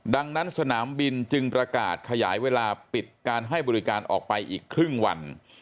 ดังนั้นสนามบินจึงประกาศขยายเวลาปิดการให้บริการออกไปอีกครึ่งวัน